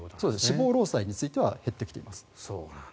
死亡労災については減ってきています。